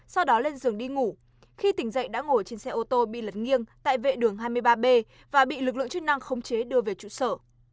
sau đó lên giường đi ngủ khi tỉnh dậy đã ngồi trên xe ô tô bị lật nghiêng tại vệ đường hai mươi ba b và bị lực lượng chức năng khống chế đưa về trụ sở